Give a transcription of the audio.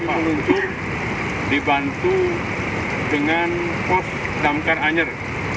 kepala lutut dibantu dengan pos damkar anjer